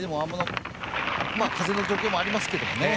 風の状況もありますけども。